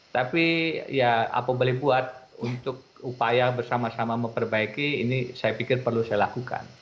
tapi ya apa boleh buat untuk upaya bersama sama memperbaiki ini saya pikir perlu saya lakukan